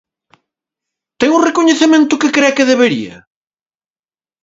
Ten o recoñecemento que cre que debería?